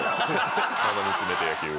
鼻に詰めて野球。